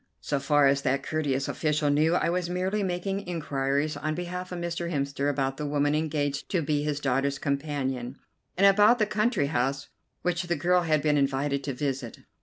So far as that courteous official knew, I was merely making inquiries on behalf of Mr. Hemster about the woman engaged to be his daughter's companion, and about the country house which the girl had been invited to visit.